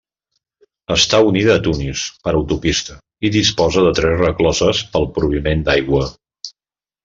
Està unida a Tunis per autopista, i disposa de tres rescloses pel proveïment d'aigua.